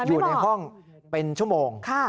อยู่ในห้องเป็นชั่วโมง